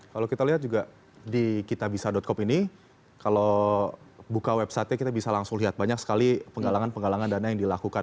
kalau kita lihat juga di kitabisa com ini kalau buka websitenya kita bisa langsung lihat banyak sekali penggalangan penggalangan dana yang dilakukan